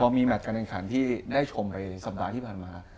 พอมีแมทกำแหน่งขันที่ได้ชมเลยในสัปดาห์ที่ผ่านมา